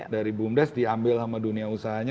dari bumdes diambil sama dunia usahanya